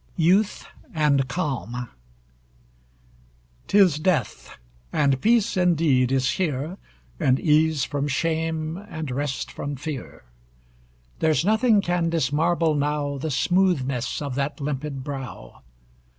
YOUTH AND CALM 'Tis death! and peace, indeed, is here, And ease from shame, and rest from fear. There's nothing can dismarble now The smoothness of that limpid brow.